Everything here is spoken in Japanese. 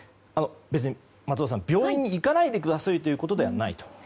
別に、松尾さん病院に行かないでくださいというわけではないと。